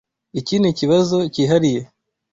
Iki nikibazo cyihariye.